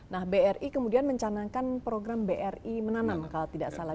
nah bri kemudian mencanangkan program bri menanam kalau tidak salah